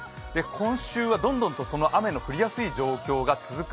今週はどんどんとその雨の降りやすい状況が続く